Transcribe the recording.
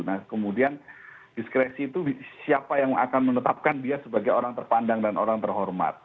nah kemudian diskresi itu siapa yang akan menetapkan dia sebagai orang terpandang dan orang terhormat